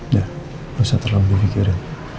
udah gak usah terlalu berpikir ya